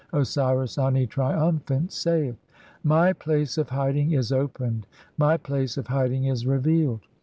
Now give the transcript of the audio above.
Osiris Ani, triumphant, saith :— "My place of hiding is opened, my place of hiding is revealed.